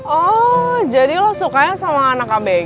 oh jadi lo sukanya sama anak abg